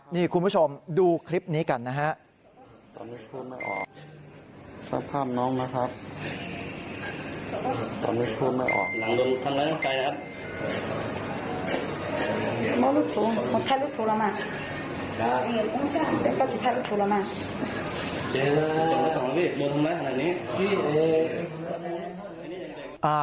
นี่คุณผู้ชมดูคลิปนี้กันนะฮะ